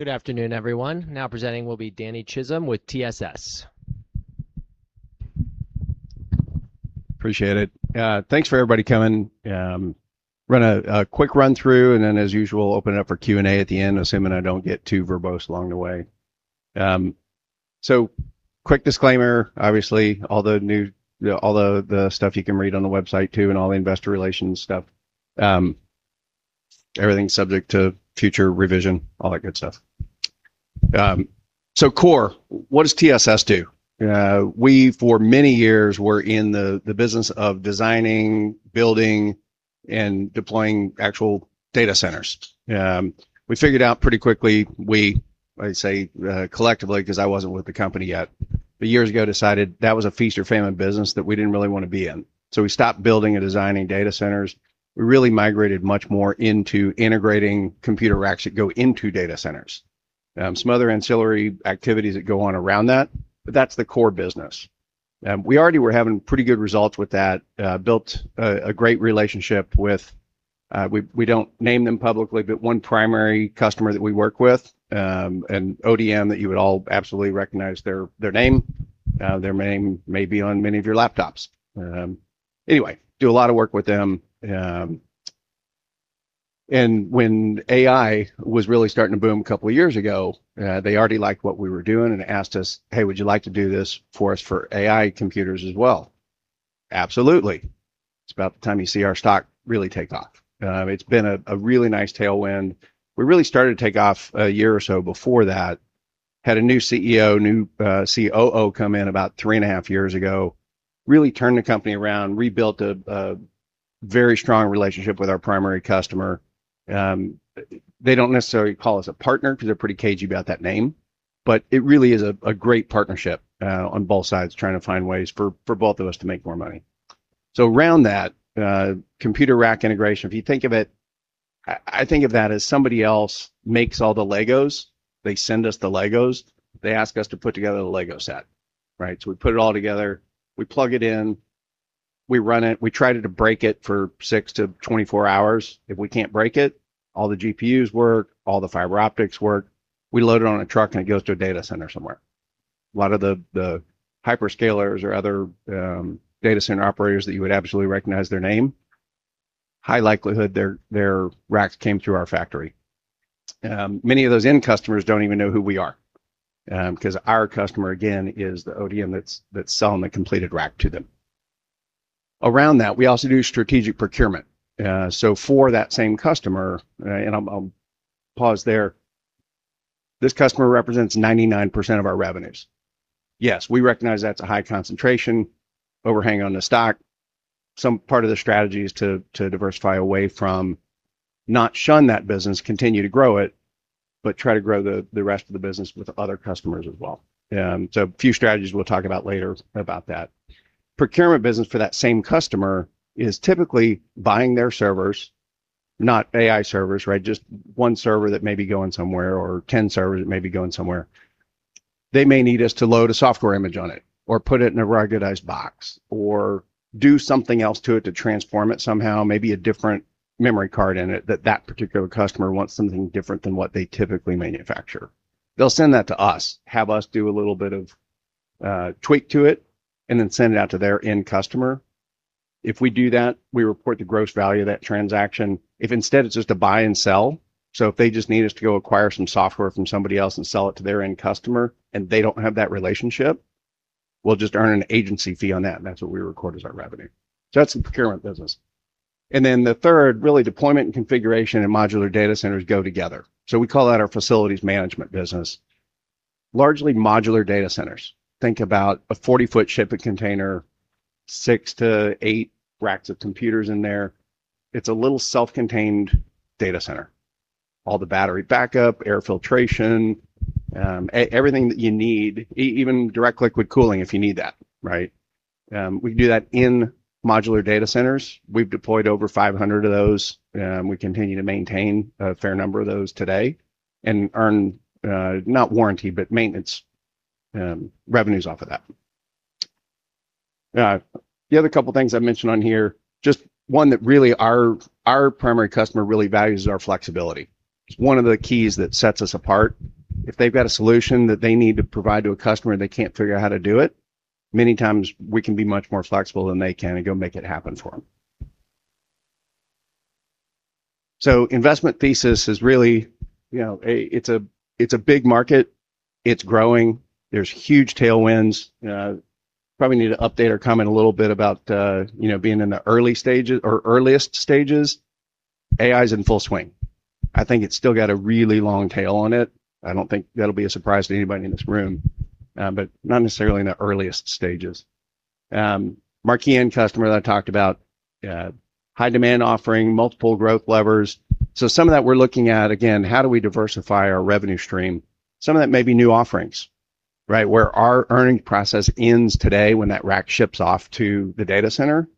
Good afternoon, everyone. Now presenting will be Danny Chism with TSS. Appreciate it. Thanks for everybody coming. Run a quick run-through, and then as usual, open it up for Q&A at the end, assuming I don't get too verbose along the way. Quick disclaimer, obviously all the stuff you can read on the website, too, and all the investor relations stuff, everything's subject to future revision, all that good stuff. Core, what does TSS do? We, for many years, were in the business of designing, building, and deploying actual data centers. We figured out pretty quickly, we, I say collectively, because I wasn't with the company yet, but years ago decided that was a feast or famine business that we didn't really want to be in. We stopped building and designing data centers. We really migrated much more into integrating computer racks that go into data centers. Some other ancillary activities that go on around that, but that's the core business. We already were having pretty good results with that. Built a great relationship with, we don't name them publicly, but one primary customer that we work with, an ODM that you would all absolutely recognize their name. Their name may be on many of your laptops. Anyway, do a lot of work with them. When AI was really starting to boom a couple of years ago, they already liked what we were doing and asked us, "Hey, would you like to do this for us for AI computers as well?" Absolutely. It's about the time you see our stock really take off. It's been a really nice tailwind. We really started to take off a year or so before that. Had a new CEO, new COO come in about three and a half years ago. Really turned the company around, rebuilt a very strong relationship with our primary customer. They don't necessarily call us a partner because they're pretty cagey about that name, but it really is a great partnership on both sides, trying to find ways for both of us to make more money. Around that, computer rack integration, if you think of it, I think of that as somebody else makes all the LEGOs. They send us the LEGOs. They ask us to put together the LEGO set. We put it all together. We plug it in. We run it. We try to break it for six of 24 hours. If we can't break it, all the GPUs work, all the fiber optics work, we load it on a truck, and it goes to a data center somewhere. A lot of the hyperscalers or other data center operators that you would absolutely recognize their name, high likelihood their racks came through our factory. Many of those end customers don't even know who we are, because our customer, again, is the ODM that's selling the completed rack to them. Around that, we also do strategic procurement. For that same customer, and I'll pause there, this customer represents 99% of our revenues. Yes, we recognize that's a high concentration overhang on the stock. Some part of the strategy is to diversify away from not shun that business, continue to grow it, but try to grow the rest of the business with other customers as well. A few strategies we'll talk about later about that. Procurement business for that same customer is typically buying their servers, not AI servers, just one server that may be going somewhere or 10 servers that may be going somewhere. They may need us to load a software image on it or put it in a ruggedized box or do something else to it to transform it somehow, maybe a different memory card in it that that particular customer wants something different than what they typically manufacture. They'll send that to us, have us do a little bit of tweak to it, and then send it out to their end customer. If we do that, we report the gross value of that transaction. Instead it's just a buy and sell, if they just need us to go acquire some software from somebody else and sell it to their end customer and they don't have that relationship, we'll just earn an agency fee on that, and that's what we record as our revenue. That's the procurement business. Then the third, really deployment and configuration and modular data centers go together. We call that our facilities management business. Largely modular data centers. Think about a 40-foot shipping container, six to eight racks of computers in there. It's a little self-contained data center. All the battery backup, air filtration, everything that you need, even direct liquid cooling if you need that. We do that in modular data centers. We've deployed over 500 of those. We continue to maintain a fair number of those today and earn, not warranty, but maintenance revenues off of that. The other couple of things I mentioned on here, just one that really our primary customer really values our flexibility. It's one of the keys that sets us apart. If they've got a solution that they need to provide to a customer and they can't figure out how to do it, many times we can be much more flexible than they can and go make it happen for them. Investment thesis is really, it's a big market. It's growing. There's huge tailwinds. Probably need to update or comment a little bit about being in the early stages or earliest stages. AI's in full swing. I think it's still got a really long tail on it. I don't think that'll be a surprise to anybody in this room. Not necessarily in the earliest stages. Marquee end customer that I talked about, high demand offering, multiple growth levers. Some of that we're looking at, again, how do we diversify our revenue stream? Some of that may be new offerings. Where our earning process ends today when that rack ships off to the data center,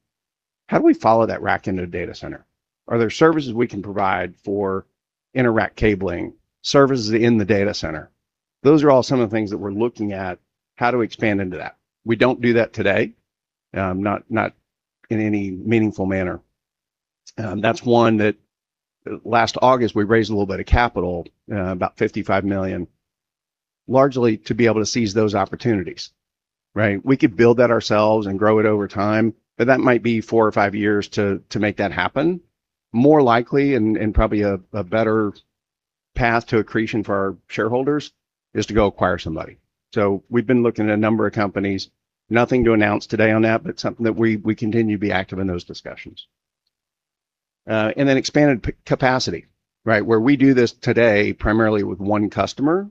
how do we follow that rack into the data center? Are there services we can provide for inter-rack cabling, services in the data center? Those are all some of the things that we're looking at. How do we expand into that? We don't do that today, not in any meaningful manner. That's one that last August we raised a little bit of capital, about $55 million, largely to be able to seize those opportunities. We could build that ourselves and grow it over time, but that might be four or five years to make that happen. More likely, and probably a better path to accretion for our shareholders, is to go acquire somebody. We've been looking at a number of companies. Nothing to announce today on that, but something that we continue to be active in those discussions. Expanded capacity, where we do this today primarily with one customer.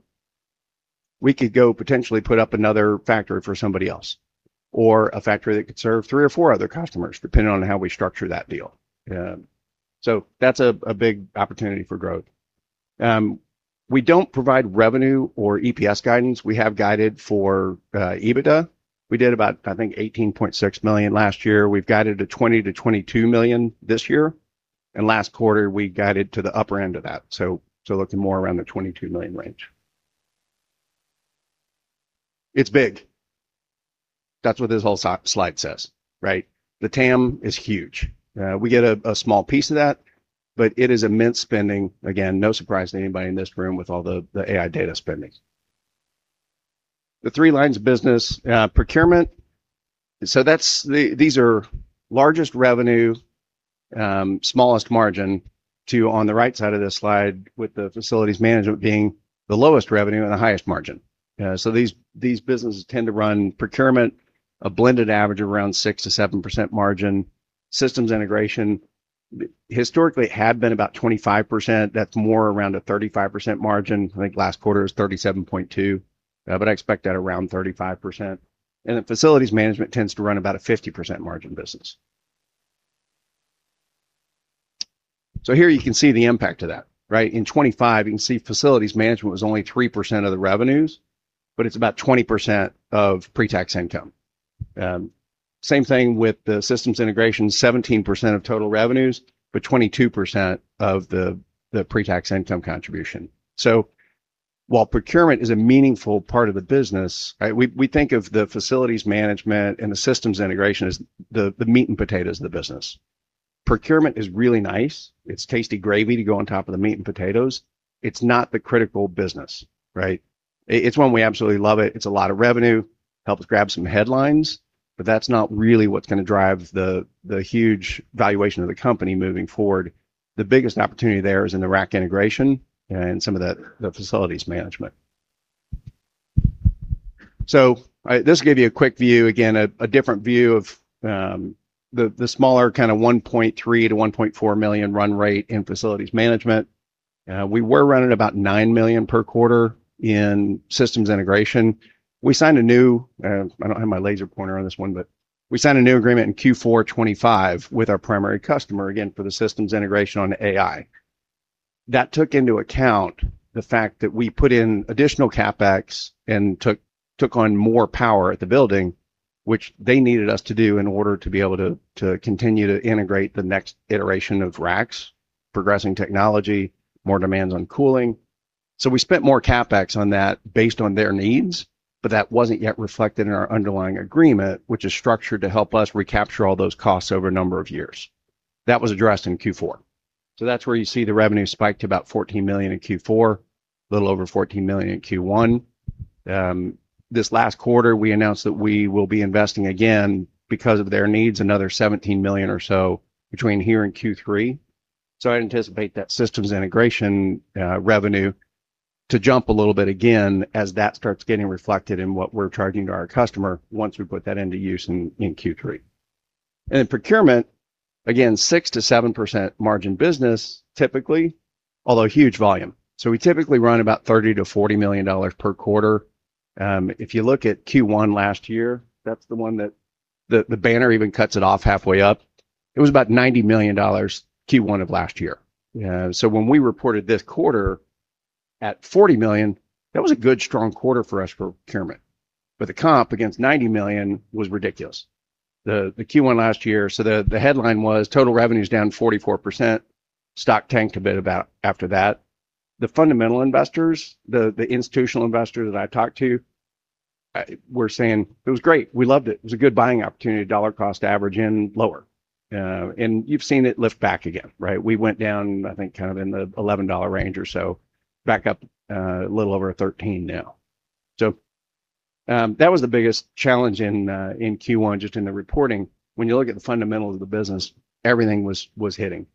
We could go potentially put up another factory for somebody else, or a factory that could serve three or four other customers, depending on how we structure that deal. That's a big opportunity for growth. We don't provide revenue or EPS guidance. We have guided for EBITDA. We did about, I think, $18.6 million last year. We've guided $20 million-$22 million this year, and last quarter, we guided to the upper end of that, looking more around the $22 million range. It's big. That's what this whole slide says, right? The TAM is huge. We get a small piece of that, but it is immense spending. Again, no surprise to anybody in this room with all the AI data spending. The three lines of business. Procurement, these are largest revenue, smallest margin. Two on the right side of this slide with the facilities management being the lowest revenue and the highest margin. These businesses tend to run procurement, a blended average of around 6%-7% margin. systems integration, historically, had been about 25%. That's more around a 35% margin. I think last quarter was 37.2%, but I'd expect that around 35%. facilities management tends to run about a 50% margin business. Here you can see the impact of that. In 2025, you can see facilities management was only 3% of the revenues, but it's about 20% of pre-tax income. Same thing with the systems integration, 17% of total revenues, but 22% of the pre-tax income contribution. While procurement is a meaningful part of the business, we think of the facilities management and the systems integration as the meat and potatoes of the business. Procurement is really nice. It's tasty gravy to go on top of the meat and potatoes. It's not the critical business. It's one we absolutely love. It's a lot of revenue, helps grab some headlines, but that's not really what's going to drive the huge valuation of the company moving forward. The biggest opportunity there is in the rack integration and some of the facilities management. This will give you a quick view, again, a different view of the smaller kind of $1.3 million-$1.4 million run rate in facilities management. We were running about $9 million per quarter in systems integration. We signed a new agreement in Q4 2025 with our primary customer, again, for the systems integration on AI. That took into account the fact that we put in additional CapEx and took on more power at the building, which they needed us to do in order to be able to continue to integrate the next iteration of racks, progressing technology, more demands on cooling. We spent more CapEx on that based on their needs, but that wasn't yet reflected in our underlying agreement, which is structured to help us recapture all those costs over a number of years. That was addressed in Q4. That's where you see the revenue spike to about $14 million in Q4, a little over $14 million in Q1. This last quarter, we announced that we will be investing again, because of their needs, another $17 million or so between here and Q3. I'd anticipate that systems integration revenue to jump a little bit again as that starts getting reflected in what we're charging to our customer once we put that into use in Q3. In procurement, again, 6%-7% margin business typically, although huge volume. We typically run about $30 million-$40 million per quarter. If you look at Q1 last year, that's the one that the banner even cuts it off halfway up. It was about $90 million Q1 of last year. When we reported this quarter at $40 million, that was a good, strong quarter for us for procurement, but the comp against $90 million was ridiculous. The Q1 last year, the headline was total revenues down 44%, stock tanked a bit about after that. The fundamental investors, the institutional investors that I've talked to, were saying, "It was great. We loved it. It was a good buying opportunity, dollar cost average and lower." You've seen it lift back again. We went down, I think, kind of in the $11 range or so, back up a little over $13 now. That was the biggest challenge in Q1, just in the reporting. When you look at the fundamentals of the business, everything was hitting.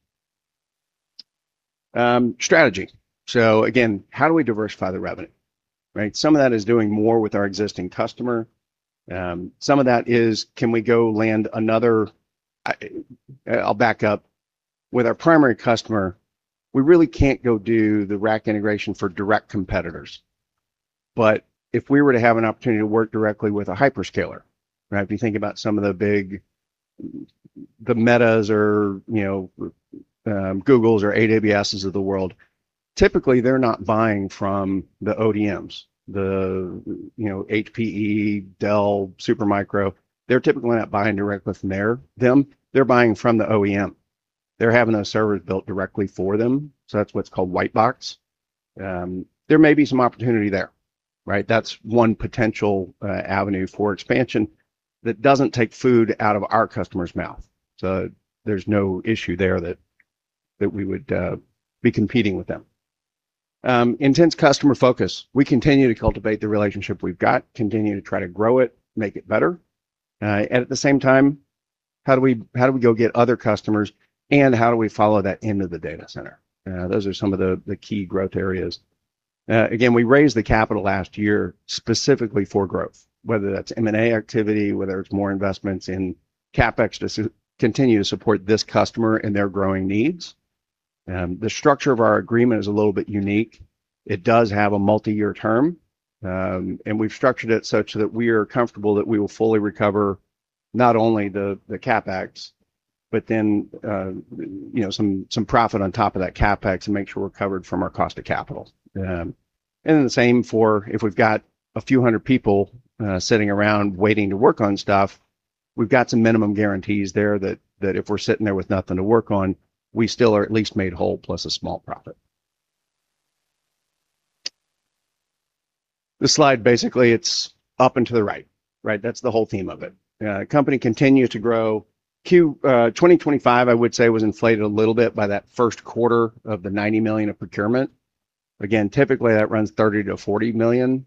Strategy. Again, how do we diversify the revenue? Some of that is doing more with our existing customer. Some of that is I'll back up. With our primary customer, we really can't go do the rack integration for direct competitors. But if we were to have an opportunity to work directly with a hyperscaler. If you think about some of the big, the Metas or Googles or AWSs of the world, typically they're not buying from the ODMs, the HPE, Dell, Supermicro. They're typically not buying direct with them. They're buying from the OEM. They're having those servers built directly for them, that's what's called white box. There may be some opportunity there, right? That's one potential avenue for expansion that doesn't take food out of our customer's mouth. There's no issue there that we would be competing with them. Intense customer focus. We continue to cultivate the relationship we've got, continue to try to grow it, make it better. At the same time, how do we go get other customers, and how do we follow that into the data center? Those are some of the key growth areas. Again, we raised the capital last year specifically for growth, whether that's M&A activity, whether it's more investments in CapEx to continue to support this customer and their growing needs. The structure of our agreement is a little bit unique. It does have a multi-year term, and we've structured it such that we are comfortable that we will fully recover not only the CapEx, but then some profit on top of that CapEx and make sure we're covered from our cost of capital. The same for if we've got a few hundred people sitting around waiting to work on stuff, we've got some minimum guarantees there that if we're sitting there with nothing to work on, we still are at least made whole plus a small profit. This slide, basically, it's up and to the right. That's the whole theme of it. Company continued to grow. Q 2025, I would say, was inflated a little bit by that first quarter of the $90 million of procurement. Again, typically that runs $30 million-$40 million.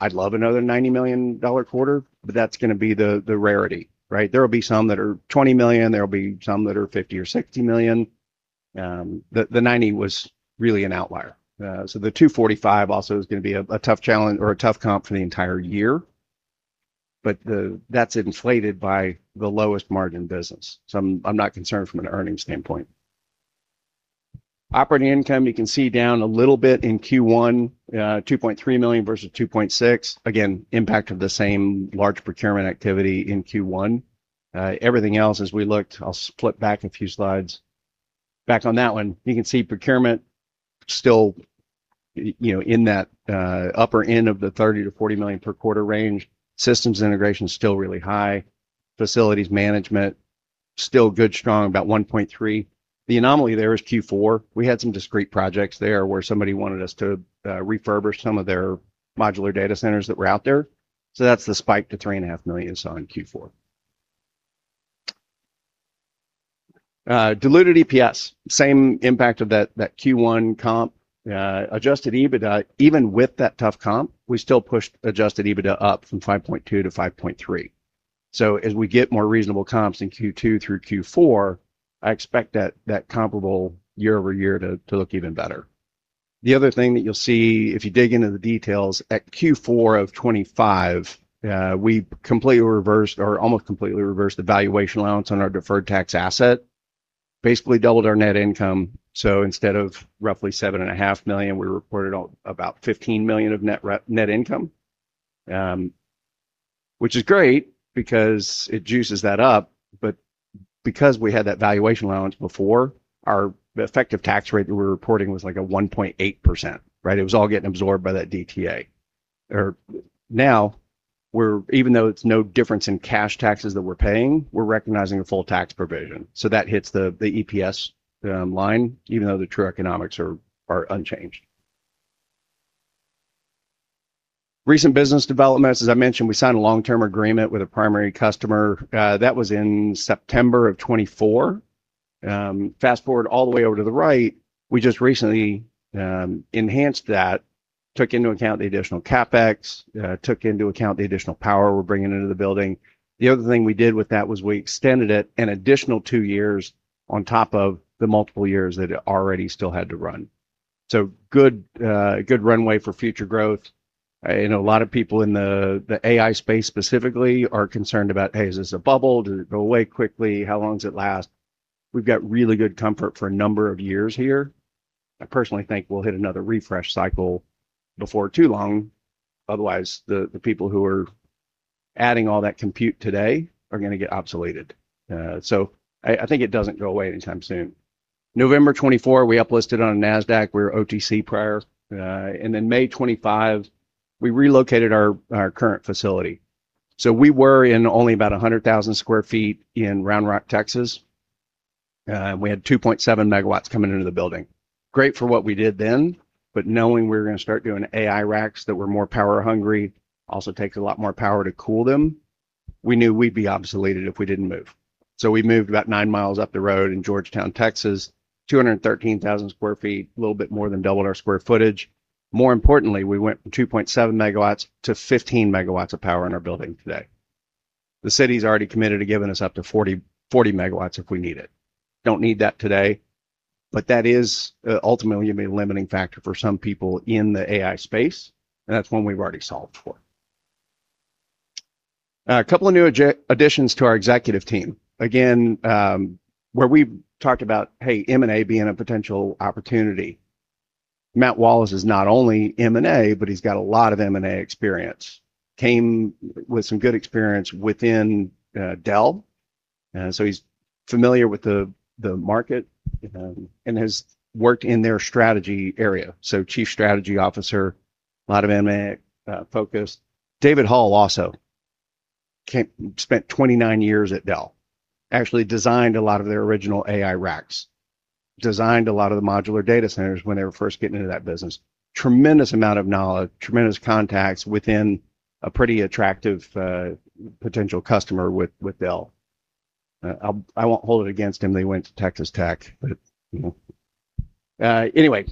I'd love another $90 million quarter, but that's going to be the rarity, right? There will be some that are $20 million. There will be some that are $50 million or $60 million. The $90 million was really an outlier. The 245 also is going to be a tough comp for the entire year. That's inflated by the lowest margin business. I'm not concerned from an earnings standpoint. Operating income, you can see down a little bit in Q1, $2.3 million versus $2.6 million. Again, impact of the same large procurement activity in Q1. Everything else as we looked, I'll flip back a few slides. Back on that one, you can see procurement still in that upper end of the $30 million-$40 million per quarter range. Systems integration's still really high. Facilities management, still good, strong, about $1.3 million. The anomaly there is Q4. We had some discrete projects there where somebody wanted us to refurbish some of their modular data centers that were out there. That's the spike to $3.5 million saw in Q4. Diluted EPS, same impact of that Q1 comp. Adjusted EBITDA, even with that tough comp, we still pushed adjusted EBITDA up from $5.2 million-$5.3 million. As we get more reasonable comps in Q2 through Q4, I expect that comparable year-over-year to look even better. The other thing that you'll see if you dig into the details, at Q4 of 2025, we completely reversed, or almost completely reversed the valuation allowance on our deferred tax asset. Basically doubled our net income. Instead of roughly $7.5 million, we reported about $15 million of net income. Which is great because it juices that up, because we had that valuation allowance before, our effective tax rate that we were reporting was like a 1.8%, right? It was all getting absorbed by that DTA. Now, even though it's no difference in cash taxes that we're paying, we're recognizing the full tax provision. That hits the EPS line, even though the true economics are unchanged. Recent business developments, as I mentioned, we signed a long-term agreement with a primary customer. That was in September of 2024. Fast-forward all the way over to the right, we just recently enhanced that, took into account the additional CapEx, took into account the additional power we're bringing into the building. The other thing we did with that was we extended it an additional two years on top of the multiple years that it already still had to run. Good runway for future growth. I know a lot of people in the AI space specifically are concerned about, "Hey, is this a bubble? Does it go away quickly? How long does it last?" We've got really good comfort for a number of years here. I personally think we'll hit another refresh cycle before too long. Otherwise, the people who are adding all that compute today are going to get obsoleted. I think it doesn't go away anytime soon. November 2024, we uplisted on Nasdaq. We were OTC prior. May 2025, we relocated our current facility. We were in only about 100,000 sq ft in Round Rock, Texas. We had 2.7 MW coming into the building. Great for what we did then, but knowing we were going to start doing AI racks that were more power hungry, also takes a lot more power to cool them, we knew we'd be obsoleted if we didn't move. We moved about 9 mi up the road in Georgetown, Texas, 213,000 sq ft, a little bit more than doubled our square footage. More importantly, we went from 2.7 MW-15 MW of power in our building today. The city's already committed to giving us up to 40 MW if we need it. Don't need that today, but that is ultimately going to be a limiting factor for some people in the AI space, and that's one we've already solved for. A couple of new additions to our executive team. Again, where we talked about, hey, M&A being a potential opportunity. Matt Wallace is not only M&A, but he's got a lot of M&A experience. Came with some good experience within Dell, so he's familiar with the market, and has worked in their strategy area. Chief Strategy Officer, a lot of M&A focus. David Hull also spent 29 years at Dell. Actually designed a lot of their original AI racks. Designed a lot of the modular data centers when they were first getting into that business. Tremendous amount of knowledge, tremendous contacts within a pretty attractive potential customer with Dell. I won't hold it against him they went to Texas Tech, but, you know. Anyway,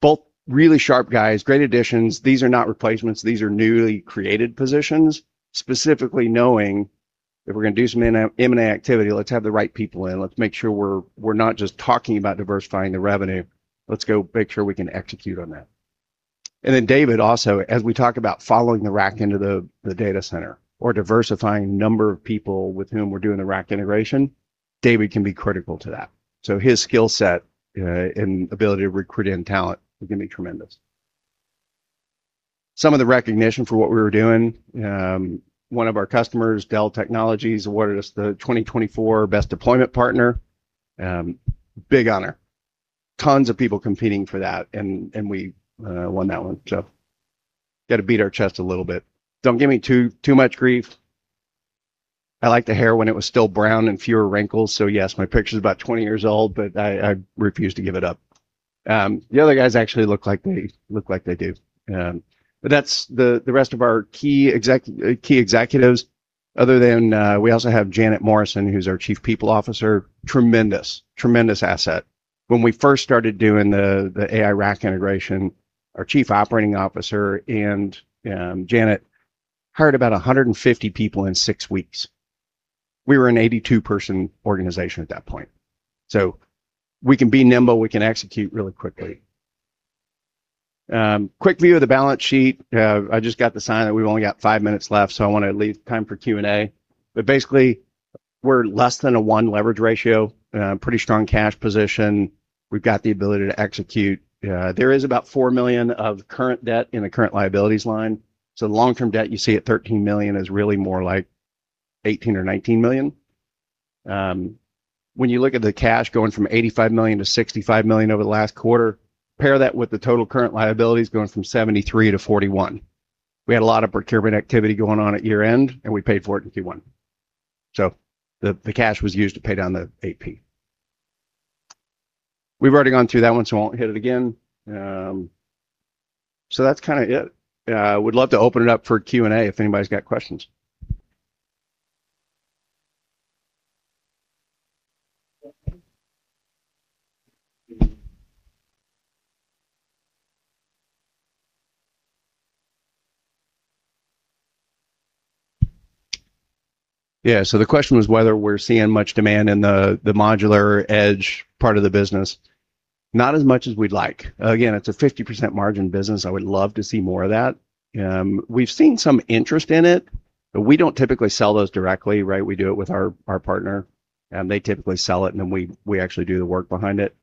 both really sharp guys, great additions. These are not replacements. These are newly created positions. Specifically knowing if we're going to do some M&A activity, let's have the right people in. Let's make sure we're not just talking about diversifying the revenue. Let's go make sure we can execute on that. David also, as we talk about following the rack into the data center, or diversifying the number of people with whom we're doing the rack integration, David can be critical to that. His skill set and ability to recruit in talent is going to be tremendous. Some of the recognition for what we were doing. One of our customers, Dell Technologies, awarded us the 2024 Best Deployment Partner. Big honor. Tons of people competing for that, and we won that one. Got to beat our chest a little bit. Don't give me too much grief. I liked the hair when it was still brown and fewer wrinkles, so yes, my picture's about 20 years old, but I refuse to give it up. The other guys actually look like they do. That's the rest of our key executives other than, we also have Janet Morrison, who's our Chief People Officer. Tremendous asset. When we first started doing the AI rack integration, our chief operating officer and Janet hired about 150 people in six weeks. We were an 82-person organization at that point. We can be nimble, we can execute really quickly. Quick view of the balance sheet. I just got the sign that we've only got five minutes left, so I want to leave time for Q&A. Basically, we're less than a one leverage ratio, pretty strong cash position. We've got the ability to execute. There is about $4 million of current debt in the current liabilities line. The long-term debt you see at $13 million is really more like $18 million or $19 million. When you look at the cash going from $85 million-$65 million over the last quarter, pair that with the total current liabilities going from $73 million-$41 million. We had a lot of procurement activity going on at year-end, and we paid for it in Q1. The cash was used to pay down the AP. We've already gone through that one, I won't hit it again. That's kind of it. Would love to open it up for Q&A if anybody's got questions. The question was whether we're seeing much demand in the modular edge part of the business. Not as much as we'd like. Again, it's a 50% margin business. I would love to see more of that. We've seen some interest in it, we don't typically sell those directly, right? We do it with our partner, they typically sell it, and then we actually do the work behind it.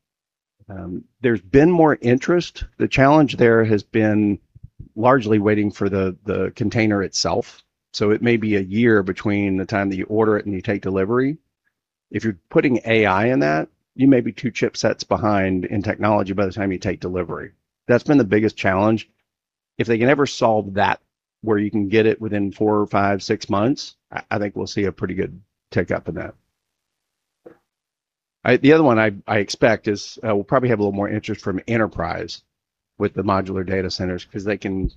There's been more interest. The challenge there has been largely waiting for the container itself. It may be a year between the time that you order it and you take delivery. If you're putting AI in that, you may be two chipsets behind in technology by the time you take delivery. That's been the biggest challenge. If they can ever solve that, where you can get it within four or five or six months, I think we'll see a pretty good tick up in that. The other one I expect is, we'll probably have a little more interest from enterprise with the modular data centers because they can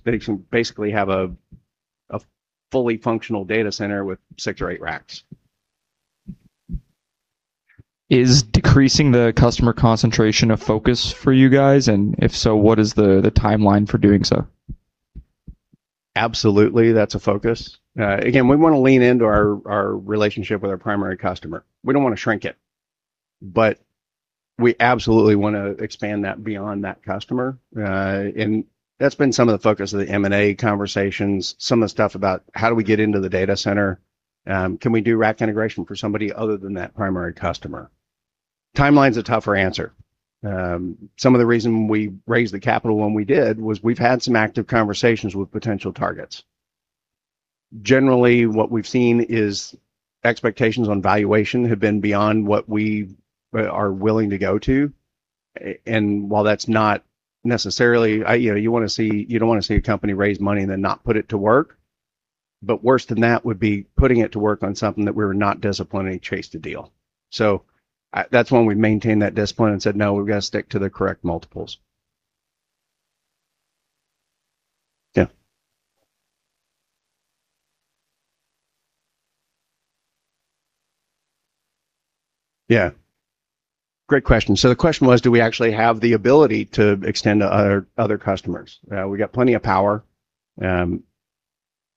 basically have a fully functional data center with six or eight racks. Is decreasing the customer concentration a focus for you guys, and if so, what is the timeline for doing so? Absolutely, that's a focus. Again, we want to lean into our relationship with our primary customer. We don't want to shrink it. We absolutely want to expand that beyond that customer. That's been some of the focus of the M&A conversations, some of the stuff about how do we get into the data center? Can we do rack integration for somebody other than that primary customer? Timeline's a tougher answer. Some of the reason we raised the capital when we did was we've had some active conversations with potential targets. Generally, what we've seen is expectations on valuation have been beyond what we are willing to go to. You don't want to see a company raise money and then not put it to work. Worse than that would be putting it to work on something that we're not disciplined and chase the deal. That's when we maintained that discipline and said, "No, we've got to stick to the correct multiples." Great question. The question was, do we actually have the ability to extend to other customers? We got plenty of power.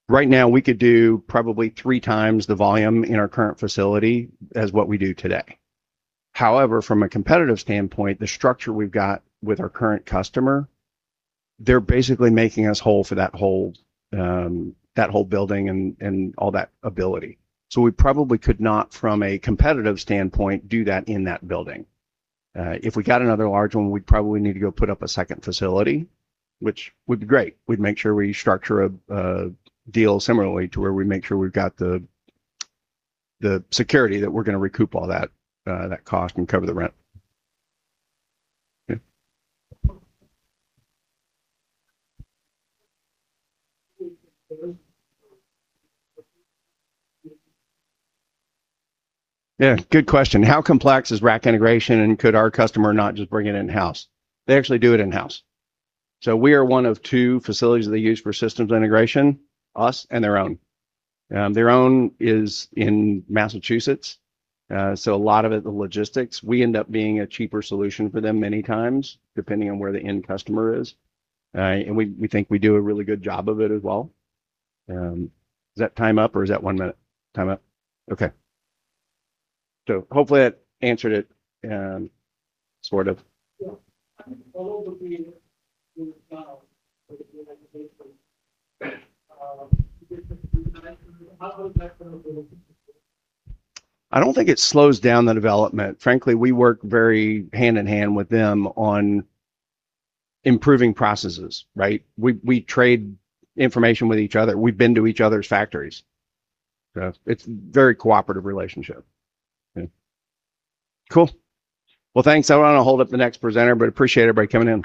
Right now we could do probably three times the volume in our current facility as what we do today. From a competitive standpoint, the structure we've got with our current customer, they're basically making us whole for that whole building and all that ability. We probably could not, from a competitive standpoint, do that in that building. If we got another large one, we'd probably need to go put up a second facility, which would be great. We'd make sure we structure a deal similarly to where we make sure we've got the security that we're going to recoup all that cost and cover the rent. Yeah. Yeah, good question. How complex is rack integration, and could our customer not just bring it in-house? They actually do it in-house. We are one of two facilities they use for systems integration, us and their own. Their own is in Massachusetts. A lot of it, the logistics, we end up being a cheaper solution for them many times, depending on where the end customer is. We think we do a really good job of it as well. Is that time up or is that one minute? Time up? Okay. Hopefully that answered it, sort of. Yeah. I don't think it slows down the development. Frankly, we work very hand-in-hand with them on improving processes, right? We trade information with each other. We've been to each other's factories. It's a very cooperative relationship. Yeah. Cool. Thanks. I don't want to hold up the next presenter, appreciate everybody coming in.